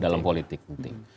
dalam politik penting